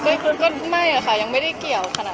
ก็ไม่ค่ะยังไม่ได้เกี่ยวขนาด